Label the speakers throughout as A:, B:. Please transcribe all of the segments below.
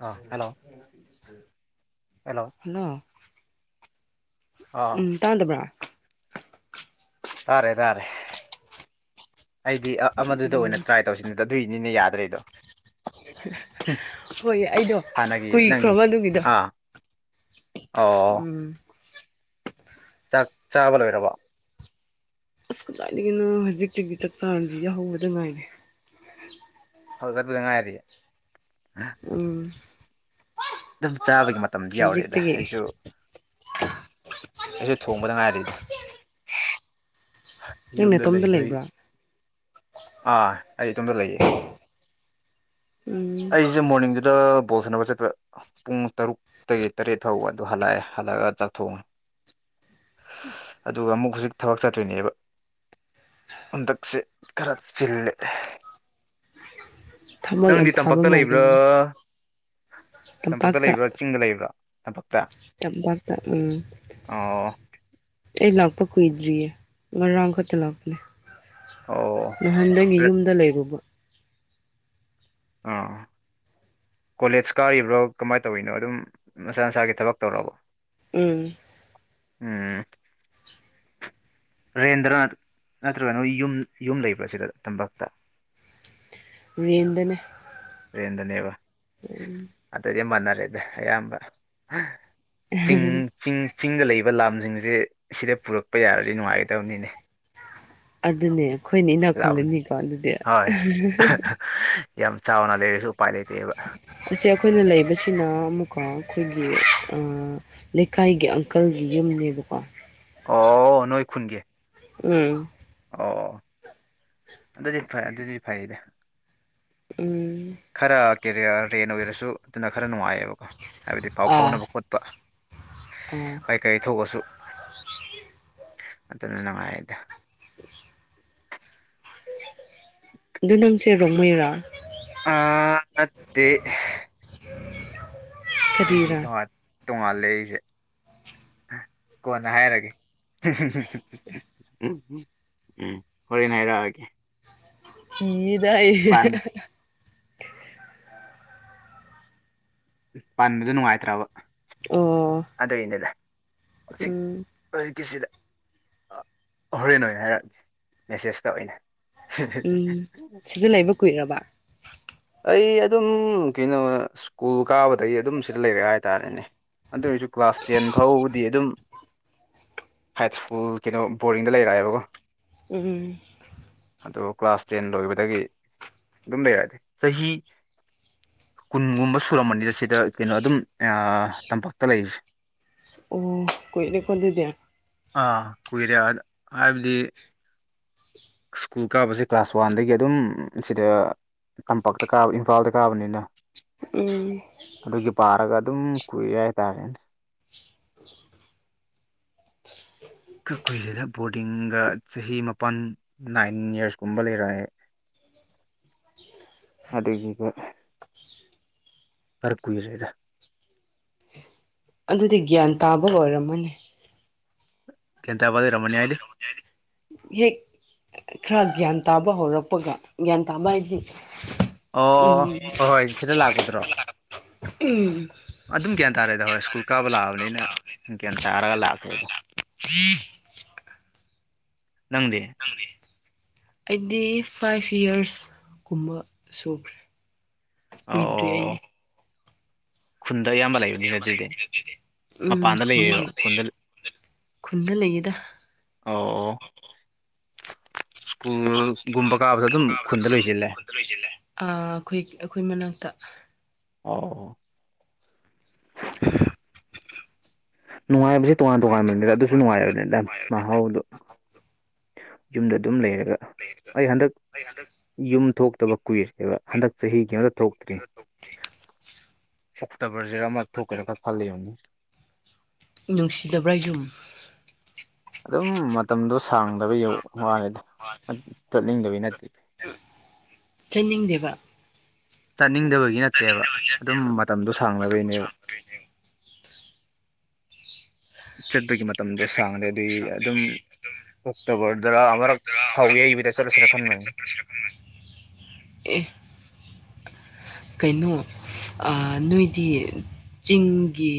A: ꯑꯥ hello
B: hello
A: ꯑꯥ
B: ꯎꯝ ꯇꯥꯟꯗꯕ꯭ꯔꯥ
A: ꯇꯥꯔꯦ ꯇꯥꯔꯦ ꯑꯩꯗꯤ ꯑꯃꯗꯨꯗ
B: ꯎꯝ
A: ꯑꯣꯏꯅ ꯇ꯭ꯔꯥꯏ ꯇꯧꯁꯤꯟꯕꯗ ꯑꯗꯨꯏꯅꯤꯅꯦ ꯌꯥꯗ꯭ꯔꯤ
B: ꯍꯣꯏ ꯑꯩꯗꯣ
A: ꯍꯥꯟꯅꯒꯤ ꯅꯪꯒꯤ
B: ꯀꯨꯏꯈ꯭ꯔꯣꯕ ꯑꯗꯨꯒꯤꯗꯣ
A: ꯑꯥ ꯑꯣ
B: ꯎꯝ
A: ꯆꯥꯛ ꯆꯥꯕ ꯂꯣꯏꯔꯕꯣ
B: ꯑꯁ ꯀꯗꯥꯏꯗꯒꯤꯅ ꯍꯧꯖꯤꯛꯇꯒꯤ ꯆꯥꯛ ꯆꯥꯔꯁꯤ ꯌꯥꯎꯍꯧꯕꯗ ꯉꯥꯏꯔꯦ
A: ꯐ ꯆꯠꯄꯗ ꯉꯥꯏꯔꯤ
B: ꯎꯝ
A: ꯑꯗꯨꯝ ꯆꯥꯕꯒꯤ ꯃꯇꯝꯗꯤ ꯌꯥꯎꯔꯛꯑꯦꯗ
B: ꯍꯧꯖꯤꯛꯇꯒꯤ
A: ꯑꯩꯁꯨ ꯑꯩꯁꯨ ꯊꯣꯡꯕꯗ ꯉꯥꯏꯔꯤꯕꯅꯦ
B: ꯅꯪ
A: ꯌꯨꯝꯗ
B: ꯅꯇꯣꯝꯇ
A: ꯂꯩꯕꯩ
B: ꯂꯩꯕ꯭ꯔꯥ
A: ꯑꯥ ꯑꯩ ꯏꯇꯣꯝꯇ ꯂꯩꯌꯦ
B: ꯎꯝ
A: ꯑꯩꯁꯦ ꯃꯣꯔꯅꯤꯡꯗꯨꯗ ꯕꯣꯜ ꯁꯥꯟꯅꯕ ꯆꯠꯄ ꯄꯨꯡ ꯇꯔꯨꯛꯇꯒꯤ ꯇꯔꯦꯠ ꯐꯥꯎꯕ ꯑꯗꯨ ꯍꯜꯂꯛꯑꯦ ꯍꯜꯂꯑꯒ ꯆꯥꯊꯣꯛꯉꯦ ꯑꯗꯨꯒ ꯑꯃꯨꯛ ꯍꯧꯖꯤꯛ ꯊꯕꯛ ꯆꯠꯇꯣꯏꯅꯦꯕ ꯍꯟꯗꯛꯁꯦ ꯈꯔ ꯆꯤꯜꯂꯦ
B: ꯊꯕꯛ ꯌꯥꯝ
A: ꯅꯪꯗꯤ
B: ꯐꯕ
A: ꯇꯝꯄꯥꯛꯇ ꯂꯩꯕ꯭ꯔꯥ
B: ꯃꯥꯜꯂꯤꯅꯦ
A: ꯇꯝꯄꯥꯛꯇꯥ
B: ꯇꯝꯄꯥꯛꯇ
A: ꯂꯩꯕ꯭ꯔꯣ ꯆꯤꯡꯗ ꯂꯩꯕ꯭ꯔꯥ ꯇꯝꯄꯥꯛꯇꯥ
B: ꯆꯄꯥꯛꯥꯛ ꯇ ꯎꯝ ꯑꯩ ꯂꯥꯛꯄ ꯀꯨꯣꯏꯗ꯭ꯔꯤꯌꯦꯦ ꯃꯔ ꯔ ꯀꯠꯇ ꯂꯥꯛꯅꯦ
A: ꯑꯣ
B: ꯅꯍꯥꯟꯗꯒꯤ
A: ꯔ-
B: ꯌꯨꯝꯗ ꯂꯩꯔꯨꯕ
A: ꯑꯥ ꯀꯣꯂꯦꯖ ꯀꯥꯔꯤꯕ꯭ꯔꯣ ꯀꯃꯥꯏꯅ ꯇꯧꯔꯤꯅꯣ ꯑꯗꯨꯝ ꯃꯁꯥ ꯃꯁꯥꯒꯤ ꯊꯕꯛ ꯇꯧꯔꯕ
B: ꯎꯝ
A: ꯎꯝ ꯔꯦꯟꯗ꯭ꯔ ꯅꯠꯇ꯭ꯔꯒꯅ ꯌꯨꯝ ꯌꯨꯝ ꯂꯩꯕ꯭ꯔꯥ ꯁꯤꯗ ꯇꯄꯥꯛꯛꯇ
B: ꯔꯦꯟꯗꯅ
A: ꯔꯦꯟꯗꯅꯦꯕ ꯑꯇꯩꯗꯤ ꯃꯅꯔꯦꯗ ꯑꯌꯥꯝꯕ ꯆꯤꯡ ꯆꯤꯡ ꯆꯤꯡꯗ ꯂꯩꯕ ꯂꯝꯁꯤꯡꯁꯦ ꯁꯤꯗ ꯄꯨꯔꯛꯄ ꯌꯥꯔꯗꯤ ꯅꯨꯡꯉꯥꯏꯒꯗꯕꯅꯤꯅꯦ
B: ꯑꯗꯨꯅꯦ ꯈꯣꯏꯅ ꯏꯅꯥ
A: ꯂꯥꯝꯁꯤꯡ
B: ꯈꯨꯜꯂꯅꯤꯀꯣ ꯑꯗꯨꯗꯤ
A: ꯍꯣꯏ ꯌꯥꯝ ꯆꯥꯎꯅ ꯂꯩꯔꯁꯨ ꯎꯄꯥꯏ ꯂꯩꯇꯦꯕ
B: ꯑꯁꯤ ꯑꯩꯈꯣꯏꯅ ꯂꯩꯕꯁꯤꯅ ꯑꯃꯨꯛꯀ ꯑꯩꯈꯣꯏꯒꯤ ꯂꯩꯀꯥꯏꯒꯤ ꯑꯪꯀꯜꯒꯤ ꯌꯨꯝꯅꯦꯕꯀꯣ
A: ꯑꯣ ꯅꯣꯏ ꯈꯨꯟꯒꯤ
B: ꯎꯝ
A: ꯑꯣ ꯑꯗꯨꯗꯤ ꯐꯩ-ꯑꯗꯨꯗꯤ ꯐꯩꯗ
B: ꯎꯝ
A: ꯈꯔ ꯀꯦ ꯔꯦꯟ ꯑꯣꯏꯔꯁꯨ ꯑꯗꯨꯅ ꯈꯔ ꯅꯨꯡꯉꯥꯏꯌꯦꯕꯀꯣ ꯍꯥꯏꯕꯗꯤ ꯄꯥꯎ ꯐꯥꯎꯅꯕ ꯈꯣꯠ [inaudible]
B: ꯎꯝ
A: ꯀꯔꯤ-ꯀꯔꯤ ꯊꯣꯛꯑꯁꯨ ꯑꯗꯨꯅ ꯅꯨꯡꯉꯥꯏꯑꯦꯗꯥ
B: [inaudible] ꯑꯗꯨ ꯅꯪꯁꯦ ꯔꯣꯡꯃꯩꯔꯥ
A: ꯑ ꯅꯠꯇꯦ ꯑꯩꯒꯤ
B: ꯀꯔꯤꯔꯥ
A: ꯇꯣꯉꯥꯟ ꯇꯣꯉꯥꯟ ꯂꯩꯁꯦ ꯀꯣꯟꯅ ꯍꯥꯏꯔꯒꯦ ꯎꯝ ꯍꯣꯔꯦꯟ ꯍꯥꯏꯔꯛꯑꯒꯦ
B: ꯀꯤꯌꯦꯗ ꯑꯩ
A: ꯄꯥꯟ ꯄꯟꯕꯗ ꯅꯨꯡꯉꯥꯏꯇ꯭ꯔꯕ
B: ꯑꯣ
A: ꯑꯗꯨꯏꯅꯦꯗ [unintelligible]
B: ꯎꯝ
A: ꯍꯧꯖꯤꯛꯀꯤꯁꯤꯗ ꯑ ꯍꯣꯔꯦꯟ ꯑꯣꯏꯅ ꯍꯥꯏꯔꯛ ꯃꯦꯁꯦꯁꯇ ꯑꯣꯏꯅ
B: ꯎꯝ ꯁꯤꯗ ꯂꯩꯕ ꯀꯨꯏꯔꯕ
A: ꯑꯩ ꯑꯗꯨꯝ ꯀꯩꯅꯣ ꯁ꯭ꯀꯨꯜ ꯀꯥꯕꯗꯒꯤ ꯑꯗꯨꯝ ꯁꯤꯗ ꯂꯩꯔꯦ ꯍꯥꯏꯇꯥꯔꯦꯅꯦ ꯑꯗꯨ ꯑꯣꯏꯔꯁꯨ ꯀ꯭ꯂꯥꯁ ꯇꯦꯟ ꯐꯥꯎꯕꯗꯤ ꯑꯗꯨꯝ ꯍꯥꯏꯠꯁ ꯁ꯭ꯀꯨꯜ ꯀꯩꯅꯣ ꯕꯣꯔꯗꯤꯡꯗ ꯂꯩꯔꯛꯑꯦꯕꯀꯣ
B: ꯎꯝ
A: ꯑꯗꯣ ꯀ꯭ꯂꯥꯁ ꯇꯦꯟ ꯂꯣꯏꯕꯗꯒꯤ ꯑꯗꯨꯝ ꯂꯩꯔꯛ ꯆꯍꯤ ꯀꯨꯟꯒꯨꯝꯕ ꯁꯨꯔꯝꯕꯅꯤꯗ ꯁꯤꯗ ꯀꯩꯅꯣ ꯑꯗꯨꯝ ꯑ ꯇꯝꯄꯛ ꯇꯂꯩꯁꯦ
B: ꯑꯣ ꯀꯨꯏꯔꯦꯀꯣ ꯑꯗꯨꯗꯤ
A: ꯑꯥ ꯀꯨꯏꯔꯦ ꯍꯥ ꯍꯥꯏꯕꯗꯤ ꯁ꯭ꯀꯨꯜ ꯀꯥꯕꯁꯦ ꯀ꯭ꯂꯥꯁ ꯋꯥꯟꯗꯒꯤ ꯑꯗꯨꯝ ꯁꯤꯗ ꯇꯝꯄꯥꯛꯇ ꯀꯥꯕ ꯏꯝꯐꯥꯜꯗ ꯀꯥꯕꯅꯤꯅ
B: ꯎꯝ
A: ꯑꯗꯨꯒꯤ ꯄꯥꯔꯒ ꯑꯗꯨꯝ ꯀꯨꯏꯔꯦ ꯍꯥꯏꯇꯥꯔꯦ ꯈꯔ ꯀꯨꯏꯔꯦꯗ ꯕꯣꯔꯗꯤꯡꯒ ꯆꯍꯤ ꯃꯥꯄꯜ ꯅꯥꯏꯟ ꯌꯔꯁ ꯀꯨꯝꯕ ꯂꯩꯔꯛꯑꯦ [inaudible] ꯑꯗꯒꯤꯗꯤ ꯈꯔ ꯀꯨꯏꯔꯦꯗ
B: ꯑꯗꯨꯗꯤ ꯒ꯭ꯌꯥꯟ ꯇꯥꯕ ꯂꯣꯏꯔꯝꯃꯅꯤ
A: ꯒ꯭ꯌꯥꯟ ꯇꯥꯕ ꯂꯩꯔꯝꯃꯅꯤ ꯍꯥꯏꯗꯤ
B: ꯍꯦꯛ ꯈꯔ ꯒ꯭ꯌꯥꯟ ꯇꯥꯕ ꯍꯧꯔꯛꯄꯒ ꯒ꯭ꯌꯥꯟ ꯇꯥꯕ ꯍꯥꯏꯗꯤ
A: ꯑꯣ
B: ꯎꯝ
A: ꯍꯣꯏ ꯍꯣꯏ ꯁꯤꯗ ꯂꯥꯛꯄꯗ꯭ꯔꯣ
B: [unintelligible] ꯎꯝ
A: ꯑꯗꯨꯝ ꯒ꯭ꯌꯥꯟ ꯇꯥꯔꯦꯗ ꯍꯣꯏ ꯁ꯭ꯀꯨꯜ ꯀꯥꯕ ꯂꯥꯛꯑꯕꯅꯤꯅ ꯒꯌꯥꯟ ꯇꯥꯔꯒ ꯂꯥꯛꯈ꯭ꯔꯦꯗ
B: [unintelligible]
A: ꯅꯪꯗꯤ
B: ꯑꯩꯗꯤ ꯐꯥꯏꯚ ꯌꯔꯁ ꯀꯨꯝꯕ ꯁꯨꯈ꯭ꯔꯦ ꯀꯨꯏ
A: ꯑꯣ
B: [unintelligible]
A: ꯈꯨꯟꯗ ꯑꯌꯥꯝꯕ ꯂꯩ
B: [unintelligible] ꯎꯝ ꯈꯨꯟꯗ
A: ꯂꯩꯔꯤꯔꯣ
B: [unintelligible]
A: ꯈꯨꯟꯗ
B: ꯈꯨꯟꯗ ꯂꯩꯌꯦꯗ
A: ꯑꯣ ꯑꯣ ꯁ꯭ꯀꯨꯜꯒꯨꯝꯕ ꯀꯥꯕꯗꯣ ꯑꯗꯨꯝ ꯈꯨꯟꯗ ꯂꯣꯏꯖꯤꯜꯂꯦ
B: [unintelligible] ꯑ ꯈꯣꯏ ꯑꯩꯈꯣꯏ ꯃꯅꯥꯛꯇ
A: ꯑꯧ ꯅꯨꯡꯉꯥꯏꯕꯁꯤ ꯇꯣꯉꯥꯟ-ꯇꯣꯉꯥꯟꯕꯅꯤꯗ ꯑꯗꯨꯁꯨ ꯅꯨꯡꯉꯥꯏꯕꯅꯤꯗ ꯃꯍꯥꯎꯗꯨ ꯌꯨꯝꯗ ꯑꯗꯨꯝ ꯂꯩꯔꯒ ꯑꯩ ꯍꯟꯗꯛ ꯌꯨꯝ ꯊꯣꯛꯇꯕ ꯀꯨꯏꯔꯦ [unintelligible] ꯍꯟꯗꯛ ꯆꯍꯤꯒꯤ ꯀꯩꯝꯗ ꯊꯣꯛꯇ꯭ꯔꯤ ꯁꯛꯇꯕꯔꯖꯦꯔ ꯑꯃ ꯊꯣꯛꯀꯅꯤꯀ ꯈꯜꯂꯤꯕꯅꯤ
B: ꯅꯨꯡꯁꯤꯗꯕ꯭ꯔꯥ ꯌꯨꯝ
A: ꯑꯗꯨꯝ ꯃꯇꯝꯗꯣ ꯁꯥꯡꯗꯕ ꯌꯧꯃꯥꯟꯂꯦꯗꯥ ꯆꯠꯅꯤꯡꯗꯕꯩ ꯅꯠꯇꯦ
B: ꯆꯠꯅꯤꯡꯗꯦꯕ
A: ꯆꯠꯅꯤꯡꯗꯕꯒꯤ ꯅꯠꯇꯦꯕ ꯑꯗꯨꯝ ꯃꯇꯝꯗꯣ ꯁꯥꯡꯗꯕꯩꯅꯦꯕ ꯆꯠꯄꯒꯤ ꯃꯇꯝꯗꯣ ꯁꯥꯡꯗꯗꯤ ꯑꯗꯨꯝ ꯑꯣꯛꯇꯣꯕꯔꯗ ꯑꯃꯔꯛ ꯐꯧꯌꯩꯕꯗꯥ ꯆꯠꯂꯁꯤꯔꯥ ꯈꯟꯕꯅꯤ
B: ꯑꯦ ꯀꯩꯅꯣ ꯑꯥ ꯅꯣꯏꯗꯤ ꯆꯤꯡꯒꯤ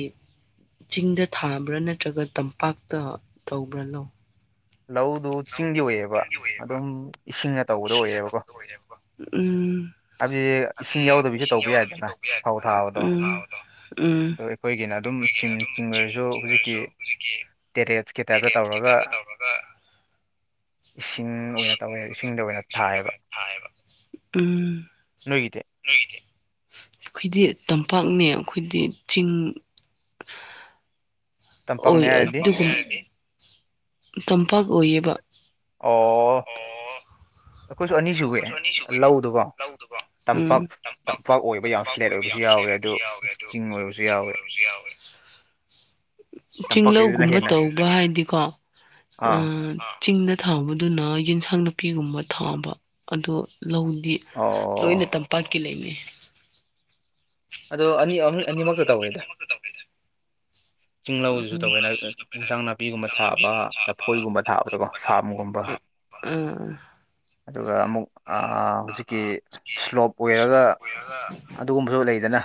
B: ꯆꯤꯡꯗ ꯊꯥꯕ꯭ꯔꯥ ꯅꯠꯇ꯭ꯔꯒ ꯇꯝꯄꯥꯛꯇ ꯇꯧꯕ꯭ꯔꯥꯅꯣ
A: ꯂꯧꯗꯨ ꯆꯤꯡꯒꯤ ꯑꯣꯏꯌꯦꯕ ꯑꯗꯨꯝ ꯏꯁꯤꯡꯅ ꯇꯧꯕꯗ ꯑꯣꯏꯌꯦꯕꯀꯣ
B: ꯎꯝ
A: ꯍꯥꯏꯕꯗꯤ ꯏꯁꯤꯡ ꯌꯥꯎꯗꯕꯤꯗ ꯇꯧꯕ ꯌꯥꯏꯗꯅ ꯐꯧ ꯊꯥꯕꯗꯣ
B: ꯎꯝ ꯎꯝ
A: ꯑꯗꯣ ꯑꯩꯈꯣꯏꯒꯤꯅ ꯑꯗꯨꯝ ꯆꯤꯡ ꯆꯤꯡ ꯑꯣꯏꯔꯁꯨ ꯍꯧꯖꯤꯛꯀꯤ ꯇꯦꯔꯦꯠ ꯀꯦ ꯇꯥꯏꯞꯇ ꯇꯧꯔꯒ ꯏꯁꯤꯡ ꯑꯣꯏꯅ ꯇꯧꯋꯦ ꯏꯁꯤꯡꯗ ꯑꯣꯏꯅ ꯊꯥꯏꯌꯦꯕ
B: ꯎꯝ
A: ꯅꯣꯏꯒꯤꯗꯤ
B: ꯅꯥꯈꯣꯏꯗꯤ ꯇꯝꯄꯥꯛꯅꯦ ꯑꯩꯈꯣꯏꯗꯤ ꯆꯤꯡ ꯑꯣꯏ
A: ꯇꯝꯄꯥꯛꯅꯦ ꯍꯥꯏꯔꯗꯤ
B: [inaudible] ꯇꯝꯄꯥꯛ ꯑꯣꯏꯌꯦꯕ
A: ꯑꯣ ꯑꯩꯈꯣꯏꯁꯨ ꯑꯅꯤꯁꯨꯏꯌꯦ ꯂꯧꯗꯨꯕꯣ
B: ꯎꯝ
A: ꯇꯝꯄꯥꯛ ꯇꯝꯄꯥꯛ ꯑꯣꯏꯕ ꯌꯥꯝ ꯐ꯭ꯂꯦꯠ ꯑꯣꯏꯕꯁꯨ ꯌꯥꯎꯋꯦ ꯑꯗꯨ ꯆꯤꯡ ꯑꯣꯏꯕꯁꯨ ꯌꯥꯎꯋꯦ
B: [inaudible]
A: ꯇꯝꯄꯥꯛꯀꯤꯗꯨꯅ
B: ꯆꯤꯡꯂꯧꯒꯨꯝꯕ
A: ꯍꯦꯟꯅ
B: ꯇꯧꯕ ꯍꯥꯏꯗꯤꯀꯣ
A: ꯑꯥ
B: ꯑꯝ ꯆꯤꯡꯗ ꯊꯥꯕꯗꯨꯅ ꯌꯦꯟꯁꯥꯡ ꯅꯥꯄꯤꯒꯨꯝꯕ ꯊꯥꯕ ꯑꯗꯣ ꯂꯧꯗꯤ
A: ꯑꯣ
B: ꯂꯣꯏꯅ ꯇꯝꯄꯥꯛꯀꯤ ꯂꯩꯅꯦ
A: ꯑꯗꯣ ꯑꯅꯤ ꯑꯅꯤꯃꯛꯇ ꯇꯧꯅꯤꯗ ꯆꯤꯡꯂꯧꯗꯨꯁꯨ
B: ꯎꯝ
A: ꯇꯧꯋꯦ ꯌꯦꯟꯁꯥꯡ ꯅꯥꯄꯤꯒꯨꯝꯕ ꯊꯥꯕ ꯂꯐꯣꯏꯒꯨꯝꯕ ꯊꯥꯕꯗꯀꯣ ꯐꯥꯝꯒꯨꯝꯕ
B: ꯎꯝ ꯎꯝ
A: ꯑꯗꯨꯒ ꯑꯃꯨꯛ ꯍꯧꯖꯤꯛꯀꯤ ꯁ꯭ꯂꯣꯞ ꯑꯣꯏꯔꯒ ꯑꯗꯨꯒꯨꯝꯕꯁꯨ ꯂꯩꯗꯅ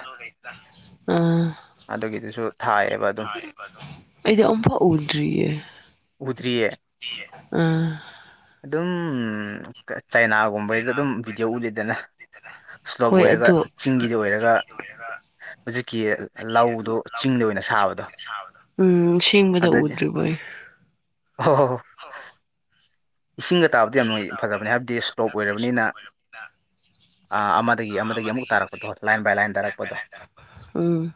B: ꯎꯝ
A: ꯑꯗꯨꯒꯤꯗꯨꯁꯨ ꯊꯥꯏꯌꯦꯕ ꯑꯗꯨꯝ
B: ꯑꯩꯗꯤ ꯑꯝꯐꯧ ꯎꯗ꯭ꯔꯤꯌꯦ
A: ꯎꯗꯔꯤꯌꯦ
B: ꯑꯥ
A: ꯑꯗꯨꯝ ꯆꯥꯏꯅꯥꯒꯨꯝꯕꯩꯗ ꯑꯗꯨꯝ ꯚꯤꯗꯤꯑꯣ ꯎꯠꯂꯤꯗꯅ ꯁ꯭ꯂꯣꯞ
B: ꯍꯣꯏ
A: ꯑꯣꯏꯔꯒ
B: ꯑꯗꯣ
A: ꯆꯤꯡꯒꯤꯗ ꯑꯣꯏꯔꯒ
B: [inaudible]
A: ꯍꯧꯖꯤꯛꯀꯤ ꯂꯧꯗꯣ ꯆꯤꯡꯗ ꯑꯣꯏꯅ ꯁꯥꯕꯗꯣ
B: ꯎꯝ ꯁꯦꯡꯕꯗ ꯎꯗ꯭ꯔꯤꯕꯩ
A: ꯍꯣ ꯍꯣ ꯍꯣ ꯏꯁꯤꯡꯒ ꯇꯥꯕꯗ ꯌꯥꯝꯅ ꯐꯗꯕꯅꯤ ꯍꯥꯏꯕꯗꯤ ꯁ꯭ꯂꯣꯞ ꯑꯣꯏꯔꯕꯅꯤꯅ ꯑꯥ ꯑꯃꯗꯒꯤ ꯑꯃꯗꯒꯤ ꯑꯃꯨꯛ ꯇꯥꯔꯛꯄꯗꯣ ꯂꯥꯏꯟ ꯕꯥꯏ ꯂꯥꯏꯟ ꯇꯥꯔꯛꯄꯗꯣ
B: ꯎꯝ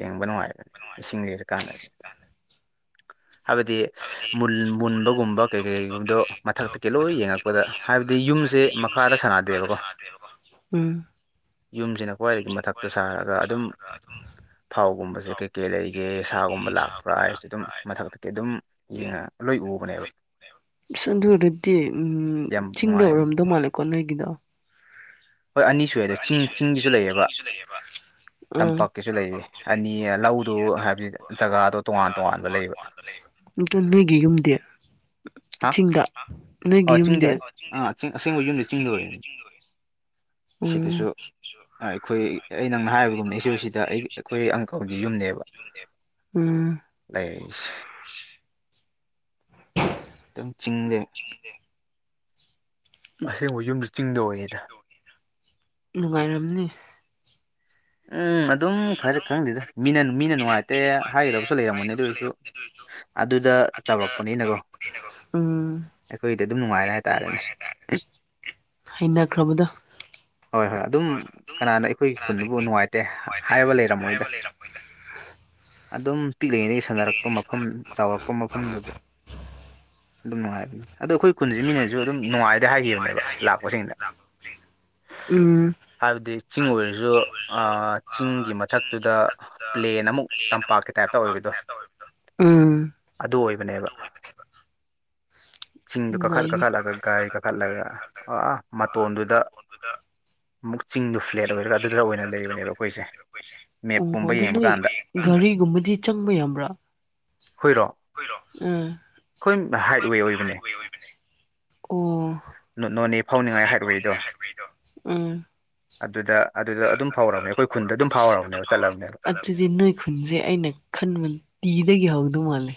A: ꯌꯦꯡꯕ ꯅꯨꯡꯉꯥꯏꯔꯅꯤ ꯏꯁꯤꯡ ꯂꯤꯔꯀꯥꯟꯗꯅꯤ ꯍꯥꯏꯕꯗꯤ ꯃꯨꯜ ꯃꯨꯟꯕꯒꯨꯝꯕ ꯀꯩ
B: [unintelligible]
A: ꯀꯩꯒꯨꯝꯕꯗꯣ ꯃꯊꯛꯇꯒꯤ ꯂꯣꯏ ꯌꯦꯡꯉꯛꯄꯗ ꯍꯥꯏꯕꯗꯤ ꯌꯨꯝꯁꯦ ꯃꯈꯥꯗ ꯁꯥꯟꯅꯗꯦꯕꯀꯣ
B: ꯂꯩꯕꯀꯣ ꯎꯝ
A: ꯌꯨꯝꯁꯤꯅ ꯈ꯭ꯋꯥꯏꯗꯒꯤ ꯃꯊꯛꯇ ꯁꯥꯔꯒ ꯑꯗꯨꯝ ꯊꯥꯎꯒꯨꯝꯕꯁꯦ ꯀꯩ ꯀꯩ ꯂꯩꯒꯦ ꯁꯥꯒꯨꯝꯕ ꯂꯥꯛꯄ꯭ꯔꯥ ꯍꯥꯏꯁꯦ ꯑꯗꯨꯝ ꯊꯛꯇ ꯑꯗꯨꯝ ꯌꯦꯡꯉ ꯂꯣꯏ ꯎꯕꯅꯦ
B: ꯑꯗꯨ ꯑꯗꯨꯔꯗꯤ ꯎꯝ
A: ꯌꯥꯝ
B: ꯆꯤꯡꯗ
A: ꯅꯨꯡꯉꯥꯏ
B: ꯑꯣꯏꯔꯝꯗꯧ ꯃꯥꯜꯂꯦꯀꯣ ꯅꯣꯏꯒꯤꯗ
A: ꯍꯣꯏ ꯑꯅꯤ ꯁꯨꯑꯦꯗ ꯆꯤꯡ-ꯆꯤꯡꯒꯤꯁꯨ ꯂꯩꯌꯦꯕ
B: ꯑꯥ
A: ꯇꯝꯄꯥꯛꯛꯀꯤꯁꯨ ꯂꯩꯌꯦ ꯑꯅꯤ ꯂꯧꯗꯨ ꯍꯥꯏꯕꯗꯤ ꯖꯒꯥꯗꯣ ꯇꯣꯉꯥꯟ ꯇꯣꯉꯥꯟꯕ ꯂꯩꯕ
B: ꯑꯗꯨ ꯅꯣꯏꯒꯤ ꯌꯨꯝꯗꯤ
A: ꯍꯥ
B: ꯆꯤꯡꯗ ꯅꯣꯏꯒꯤ
A: ꯑ ꯆꯤꯡꯗꯤ
B: ꯌꯨꯝꯗꯤ
A: ꯑꯩ ꯑꯥ ꯑꯁꯦꯡꯕ ꯌꯨꯝꯗꯤ ꯆꯤꯡ ꯂꯣꯏꯔꯦ
B: ꯎꯝ
A: ꯁꯤꯗꯁꯨ ꯑꯩꯈꯣꯏ ꯑꯩ ꯅꯪꯅ ꯍꯥꯏꯕꯒꯨꯝꯅ ꯑꯩꯁꯨ ꯁꯤꯗ ꯑꯩꯈꯣꯏ ꯑꯪꯀꯜꯒꯤ ꯌꯨꯝꯅꯦꯕ [inaudible]
B: ꯎꯝ
A: ꯂꯩ ꯑꯗꯨꯝ ꯆꯤꯡꯗꯦ
B: ꯆꯗꯦ
A: ꯑꯁꯦꯡꯕ ꯌꯨꯝꯗ ꯆꯤꯡꯗ ꯑꯣꯏꯌꯦꯗ
B: ꯅꯨꯡꯉꯥꯏꯔꯝꯅꯤ
A: ꯎꯝ ꯑꯗꯨꯝ ꯈꯔ ꯈꯪꯗꯦꯗ ꯃꯤꯅ-ꯃꯤꯅ ꯅꯨꯡꯉꯥꯏꯇꯦ ꯍꯥꯏꯒꯗꯕꯁꯨ ꯂꯩꯔꯝꯒꯅꯤ ꯑꯗꯨ ꯑꯣꯏꯔꯁꯨ ꯑꯗꯨꯗ ꯆꯥꯎꯔꯛꯄꯅꯤꯅꯀꯣ
B: ꯎꯝ
A: ꯑꯩꯈꯣꯏꯗꯤ ꯑꯗꯨꯝ ꯅꯨꯡꯉꯥꯏꯔꯦ ꯍꯥꯏꯇꯥꯔꯦꯅꯦ
B: ꯍꯩꯅꯈ꯭ꯔꯕꯗꯣ
A: ꯍꯣꯏ ꯍꯣꯏ ꯑꯗꯨꯝ ꯀꯅꯥꯅ ꯑꯩꯈꯣꯏꯒꯤ ꯈꯨꯟꯗꯨꯕꯨ ꯅꯨꯡꯉꯥꯏꯇꯦ ꯍꯥꯏꯕ ꯂꯩꯔꯝꯃꯣꯏꯗ ꯑꯗꯨꯝ ꯄꯤꯛꯂꯤꯉꯩꯗꯒꯤ ꯁꯥꯟꯅꯔꯛꯄ ꯃꯐꯝ ꯆꯥꯎꯔꯛꯄ ꯃꯐꯝꯗꯨꯕꯨ ꯑꯗꯨꯝ ꯅꯨꯡꯉꯥꯏꯕꯅꯤ ꯑꯗꯣ ꯑꯩꯈꯣꯏ ꯈꯨꯟꯁꯦ ꯃꯤꯅꯁꯨ ꯑꯗꯨꯝ ꯅꯨꯡꯉꯥꯏꯑꯦ ꯍꯥꯏꯈꯤꯕꯅꯦꯕ ꯂꯥꯛꯄꯁꯤꯡꯗ
B: ꯎꯝ
A: ꯍꯥꯏꯕꯗꯤ ꯆꯤꯡ ꯑꯣꯏꯔꯁꯨ ꯑ ꯆꯤꯡꯒꯤ ꯃꯊꯛꯇꯨꯗ ꯄ꯭ꯂꯦꯟ ꯑꯃꯨꯛ ꯇꯝꯄꯥꯛꯀꯤ ꯇꯥꯏꯞꯇ ꯑꫭꯏꯕꯗꯣ
B: ꯎꯝ
A: ꯑꯗꯨ ꯑꯣꯏꯕꯅꯦꯕ ꯆꯤꯡꯗꯨ ꯀꯥꯈꯠ
B: ꯅꯨꯡꯉꯥꯏꯅꯤ
A: ꯀꯥꯈꯠꯂꯒ ꯒꯥꯏ ꯀꯥꯈꯠꯂꯒ ꯑꯥ ꯃꯇꯣꯟꯗꯨꯗ ꯑꯃꯨꯛ ꯆꯤꯡꯗꯨ ꯐ꯭ꯂꯦꯠ ꯑꯣꯏꯔꯒ ꯑꯗꯨꯗ ꯑꯣꯏꯅ ꯂꯩꯕꯅꯦꯕ ꯑꯩꯈꯣꯏꯁꯦ ꯃꯦꯞ
B: ꯑꯣ
A: ꯀꯨꯝꯕ
B: ꯑꯗꯨ
A: ꯌꯦꯡꯕ
B: ꯅꯣꯏ
A: ꯀꯥꯟꯗ
B: ꯒꯥꯔꯤꯒꯨꯝꯕꯗꯤ ꯆꯪꯕ ꯌꯥꯕ꯭ꯔꯥ
A: ꯍꯨꯏꯔꯣ
B: ꯑꯥ
A: ꯑꯩꯈꯣꯏ ꯍꯥꯏꯠꯋꯦ ꯑꯣꯏꯕꯅꯦ
B: ꯑꯣ
A: [unintelligible]
B: ꯅꫭꯅꯦ
A: ꯍꯥꯏꯠꯋꯦꯗꯣ
B: ꯐꯥꯎꯅꯤꯡꯉꯥꯏ ꯍꯥꯏꯕꯒꯤꯗꯣ ꯎꯝ
A: ꯑꯗꯨꯗ ꯑꯗꯨꯗ ꯑꯗꯨꯝ ꯐꯥꯎꯔꯕꯅꯦ ꯑꯩꯈꯣꯏ ꯈꯨꯟꯗ ꯑꯗꯨꯝ ꯐꯥꯎꯔꯕꯅꯦꯕ ꯆꯠꯂꯕꯅꯦꯕ
B: ꯑꯗꯨꯗꯤ ꯅꯣꯏ ꯈꯨꯟꯁꯦ ꯑꯩꯅ ꯈꯟꯕ ꯇꯤꯗꯒꯤ ꯍꯧꯗꯧ ꯃꯥꯜꯂꯦ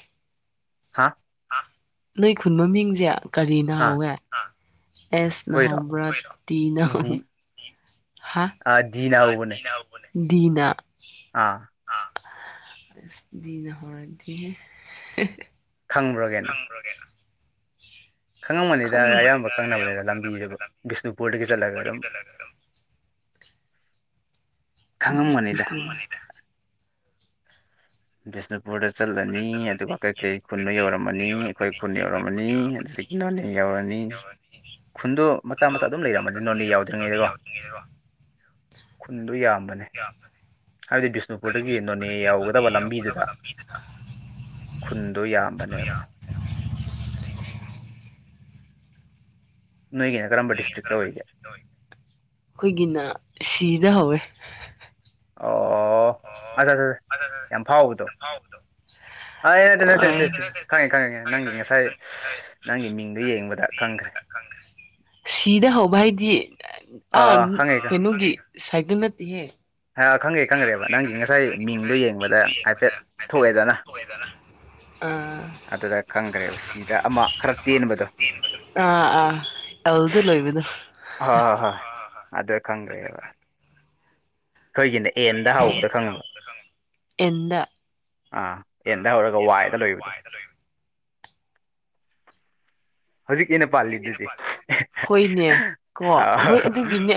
A: ꯍꯥ
B: ꯅꯣꯏ ꯈꯨꯟ ꯃ ꯃꯤꯡꯁꯦ ꯀꯔꯤ
A: ꯑꯥ
B: ꯍꯥꯎꯋꯦ ꯑꯦꯁꯅ
A: ꯑꯩꯈꯣꯏꯔꯣ
B: ꯍꯧꯕ꯭ꯔꯥ ꯇꯤꯅ
A: ꯗꯤ
B: ꯍꯧ
A: ꯑꯥ ꯗꯤꯅ ꯍꯧꯕꯅꯦ
B: ꯗꯤꯅꯥ
A: ꯑꯥ
B: ꯅ ꯍꯔꯗꯤ
A: ꯈꯪꯕ꯭ꯔꯒꯦ
B: inaudible ꯑ
A: ꯈꯪꯉꯝꯒꯅꯤꯗ ꯑꯌꯥꯝꯕ
B: ꯃꯅꯦꯗꯌꯥꯝ
A: ꯈꯪꯅꯕꯅꯤꯗ
B: ꯄꯀꯥꯅꯨ
A: ꯂꯝꯕꯤꯗꯨꯕꯨ ꯕꯤꯁꯅꯨꯄꯨꯔꯗꯒꯤ ꯆꯠꯂꯒ ꯑꯗꯨꯝ
B: ꯀꯗꯂꯒꯔ
A: ꯈꯪꯉꯝꯒꯅꯤꯗ
B: [inaudible]
A: ꯕꯤꯁꯅꯨꯄꯨꯔꯗ ꯆꯠꯂꯅꯤ ꯑꯗꯨꯒ ꯀꯩꯀꯩ ꯈꯨꯟꯅ ꯌꯧꯔꯝꯃꯅꯤ ꯑꯩꯈꯣꯏ ꯈꯨꯟ ꯌꯧꯔꯝꯃꯅꯤ ꯑꯗꯨꯗꯒꯤ ꯏꯅꯦ ꯌꯎꯔꯅꯤ ꯈꯨꯟꯗꯣ ꯃꯆꯥ-ꯃꯆꯥ ꯑꯗꯨꯝ ꯂꯩꯔꯝꯃꯅꯤ ꯅꯣꯅꯦ ꯌꯥꯎꯗ꯭ꯔꯤꯉꯩꯗꯀꯣ ꯈꯨꯟꯗꯨ ꯌꯥꯝꯕꯅꯦ ꯍꯥꯏꯗꯤꯁ [unintelligible] ꯕꯤꯁꯅꯨꯄꯨꯔꯗꯒꯤ ꯅꯣꯅꯦ ꯌꯧꯎꯒꯗꯕ ꯂꯝꯕꯤꯗꯨꯗ ꯈꯨꯟꯗꯣ ꯌꯥꯝꯕꯅꯦꯕ ꯅꯣꯏꯒꯤꯅ ꯀꯔꯝꯕ ꯗꯤꯁꯇ꯭ꯔꯤꯛꯇ ꯑꯣꯏꯒꯦ
B: ꯑꯩꯈꯣꯏꯒꯤꯅ ꯁꯤꯗ ꯍꯧꯋꯦ
A: ꯑꯣ ꯑꯆꯥ-ꯆꯥ-ꯆꯥ ꯌꯥꯝ ꯐꯥꯎꯕꯗꯣ ꯑ ꯑꯩ ꯅꯠꯇꯦ ꯅꯠꯇꯦ ꯅꯠꯇꯦ
B: ꯑꯥ
A: ꯈꯪꯉꯦ ꯈꯪꯉꯦ ꯅꯪꯒꯤ ꯉꯁꯥꯏ ꯅꯪꯒꯤ ꯃꯤꯡꯗꯣ ꯌꯦꯡꯕꯗ ꯈꯪꯈ꯭ꯔꯦ
B: ꯁꯤꯗ ꯍꯧꯕ ꯍꯥꯏꯗꯤ
A: ꯑꯥ ꯈꯪꯉꯦ
B: ꯀꯩꯅꯣꯒꯤ ꯁꯥꯏꯗꯨ ꯅꯠꯇꯤꯍꯦ
A: ꯈꯪꯈ꯭ꯔꯦ ꯈꯪꯈ꯭ꯔꯦꯕ ꯅꯪꯒꯤ ꯉꯁꯥꯏ ꯃꯤꯡꯗꯣ ꯌꯦꯡꯕꯗ ꯍꯥꯏꯐꯦꯠ ꯊꯣꯛꯑꯦꯗꯅ
B: ꯑꯥ
A: ꯑꯗꯨꯗ ꯈꯪꯈ꯭ꯔꯦ ꯁꯤꯗ ꯑꯃ ꯈꯔ ꯇꯦꯟꯕꯗꯣ
B: ꯑꯗꯨꯗ ꯂꯩꯕꯗꯣ
A: ꯍꯣꯏ ꯍꯣꯏ ꯍꯣꯏ ꯑꯗꯨꯗ ꯈꯪꯑꯕ ꯈꯣꯏꯒꯤꯅꯦ
B: ꯑꯦꯟꯗ
A: ꯑꯥ ꯑꯦꯟꯗ ꯍꯧꯔꯒ ꯋꯥꯏꯗ ꯂꯣꯏꯕꯗꯣ
B: ꯂꯩ
A: ꯍꯧꯖꯤꯛꯀꯤ ꯑꯩꯅ ꯄꯥꯜꯂꯤꯗꯨꯗꯤ
B: ꯍꯣꯏꯅꯦ ꯀꯣ
A: ꯑꯥꯎ
B: ꯑꯩꯈꯣꯏ
A: ꯍ
B: ꯑꯗꯨꯒꯤꯅꯦ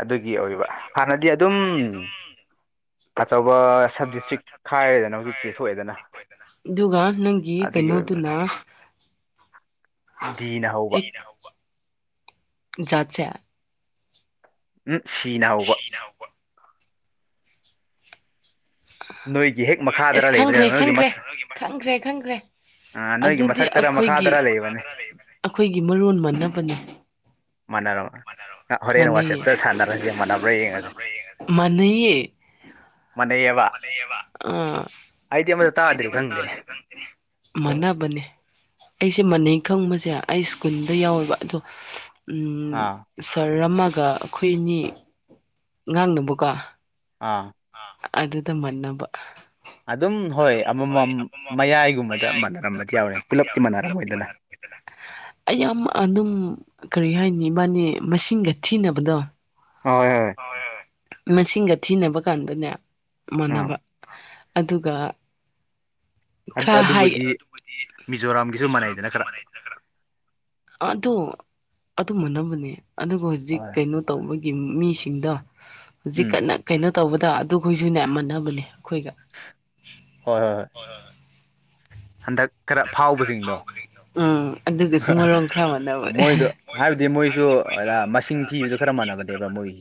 A: ꯑꯗꯨꯒꯤ ꯑꯣꯏꯕ ꯍꯥꯟꯅꯗꯤ ꯑꯗꯨꯝ ꯑꯆꯧꯕ ꯁꯕ ꯗꯤꯁꯇ꯭ꯔꯤꯛ ꯈꯥꯏꯔꯦꯗꯅ ꯍꯧꯖꯤꯛꯇꯤ ꯊꯣꯛꯑꯦꯗꯅ
B: ꯑꯗꯨꯒ ꯅꯪꯒꯤ
A: ꯑꯗꯨꯒꯤ
B: ꯀꯩꯅꯣꯗꯨꯅ
A: ꯑꯣꯏꯕꯅꯤꯗ ꯗꯤꯅ ꯍꯧꯕ
B: ꯖꯥꯠꯁꯦ
A: ꯎꯝ ꯁꯤꯅ ꯍꯧꯕ
B: ꯌꯥꯥꯎꯕ
A: ꯅꯣꯏꯒꯤ ꯍꯦꯛ ꯃꯈꯥꯗꯔ
B: ꯏꯁ
A: ꯂꯩꯕꯅꯦ
B: ꯈꯪꯈ꯭ꯔꯦ
A: ꯅꯣꯏꯒꯤ
B: ꯈꯪꯈ꯭ꯔꯦ
A: ꯃꯊꯛ
B: ꯈꯪꯈ꯭ꯔꯦ ꯈꯪꯈ꯭ꯔꯦ
A: ꯑ ꯅꯣꯏꯒꯤ
B: ꯑꯗꯨꯗꯤ
A: ꯃꯊꯛꯇꯔ ꯃꯈꯥꯗꯔ ꯂꯩꯕꯅꯦ
B: ꯑꯩꯈꯣꯏꯒꯤ-ꯑꯩꯈꯣꯏꯒꯤ ꯃꯔꯣꯟ ꯃꯥꯟꯅꯕꯅꯤ
A: ꯃꯥꯟꯅꯔꯕ ꯍꯣꯔꯦꯟ
B: ꯃꯥꯟꯅꯩꯌꯦ
A: ꯋꯥꯆꯦꯞꯇ ꯁꯥꯟꯅꯔꯁꯦ ꯃꯥꯟꯅꯕ꯭ꯔꯥ ꯌꯦꯡꯉꯁꯦ ꯃꯥꯟꯅꯩꯌꯦꯕ ꯑꯩꯗꯤ ꯑꯃꯇ ꯇꯥꯗ꯭ꯔꯤ ꯈꯪꯗꯦ
B: ꯃꯥꯅꯥꯕꯅꯦ ꯑꯩꯁꯦ ꯃꯅ ꯈꯪꯕꯁꯦ ꯑꯩ ꯁ꯭ꯀꯨꯜꯗ ꯌꯥꯎꯋꯦꯕ ꯑꯗꯣ
A: ꯑꯥ
B: ꯎ ꯁꯥꯔ ꯑꯃꯒ ꯑꯩꯈꯣꯏ ꯑꯅꯤ ꯉꯥꯡꯅꯕꯀꯣ
A: ꯑꯥ
B: ꯑꯗꯨꯗ ꯃꯟꯅꯕ
A: ꯑꯗꯨꯝ ꯍꯣꯏ ꯑꯃꯃꯝ ꯃꯌꯥꯏꯒꯨꯝꯕꯗ ꯃꯥꯟꯅꯔꯝꯕꯗꯤ ꯌꯥꯎꯔꯦ ꯄꯨꯂꯞꯇꯤ ꯃꯥꯟꯅꯔꯝꯃꯣꯏꯗꯅ [inaudible]
B: ꯑꯩ ꯌꯥꯝ ꯑꯗꯨꯝ ꯀꯔꯤ ꯍꯥꯏꯅꯤ ꯏꯕꯥꯅꯤ ꯃꯁꯤꯡꯒ ꯊꯤꯅꯕꯗꯣ
A: ꯍꯣꯏ ꯍꯣꯏ
B: ꯃꯁꯤꯡꯒ ꯊꯤꯅꯕ ꯀꯥꯟꯗꯅꯦ
A: ꯑꯥ
B: ꯃꯅꯕ ꯑꯗꯨꯒ ꯈꯔ ꯍꯥꯏ ꯑꯗꯨꯕꯨꯗꯤ
A: ꯃꯤꯖꯣꯔꯥꯝꯒꯤꯁꯨ
B: ꯃꯤꯖꯣꯔꯥꯝ
A: ꯃꯥꯟꯅꯩꯗꯅ ꯈꯔ
B: ꯑꯗꯣ ꯑꯗꯨ ꯃꯨꯅꯕꯅꯦ ꯑꯗꯨꯒ ꯍꯧꯖꯤꯛ
A: ꯍꯣꯏ
B: ꯀꯩꯅꯣ ꯇꯧꯕꯒꯤ ꯃꯤꯁꯤꯡꯗꯣ ꯍꯧꯖꯤꯛ
A: ꯎꯝ
B: ꯀꯟꯅ ꯀꯩꯅꯣ ꯇꯧꯕꯗ ꯑꯗꯨꯈꯣꯏꯁꯨ ꯅ ꯃꯥꯟꯅꯕꯅꯦ ꯑꯩꯈꯣꯏꯒ
A: ꯍꯣꯏ ꯍꯣꯏ ꯍꯣꯏ
B: ꯍꯣꯏ ꯍꯣꯏ ꯍꯣꯏ
A: ꯍꯟꯗꯛ ꯈꯔ ꯐꯥꯎꯕꯁꯤꯡꯗꯣ
B: ꯎꯝ ꯑꯗꯨꯒꯁꯨ ꯃꯔꯣꯡ ꯈꯔ ꯃꯥꯟꯅꯕ
A: ꯃꯣꯏꯗꯣ ꯍꯥꯏꯕꯗꯤ ꯃꯣꯏꯁꯨ ꯃꯁꯤꯡ ꯊꯤꯕꯗꯨ ꯈꯔ ꯃꯥꯟꯅꯕꯅꯦꯕ ꯃꯣꯏꯒꯤꯁꯦ